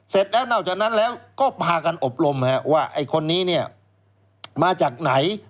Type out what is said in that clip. เสร็จแล้วนอกจากนั้นแล้วก็พากันอบรมว่าไอ้คนนี้เนี่ยมาจากไหน